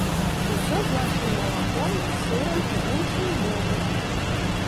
Усё з нашым малаком, сырам і іншым добра.